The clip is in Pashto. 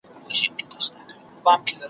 دومره مخته باید ولاړ سې چي نن لیري درښکاریږي ,